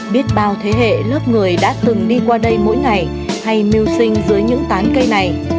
biết bao thế hệ lớp người đã từng đi qua đây mỗi ngày hay mưu sinh dưới những tán cây này